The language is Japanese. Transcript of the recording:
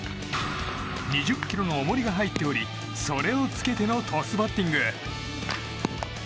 ２０ｋｇの重りが入っておりそれを着けてのトスバッティング。